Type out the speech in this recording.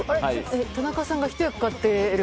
田中さんがひと役買っている。